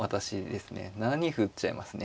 ７二歩打っちゃいますね。